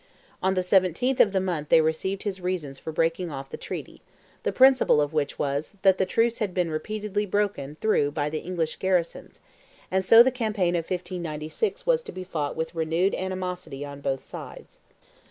On the 17th of the month they received his reasons for breaking off the treaty—the principal of which was, that the truce had been repeatedly broken through by the English garrisons—and so the campaign of 1596 was to be fought with renewed animosity on both sides.